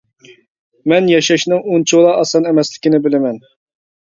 مەن ياشاشنىڭ ئۇنچىۋالا ئاسان ئەمەسلىكىنى بىلىمەن.